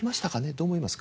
どう思いますか？